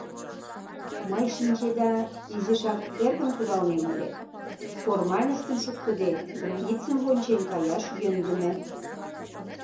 Мый, шинчеда, изишак эркын кудалнем ыле: формальностьым шуктыде, границым вончен каяш йӧндымӧ.